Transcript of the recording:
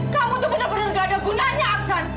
kamu tuh bener bener gak ada gunanya aksan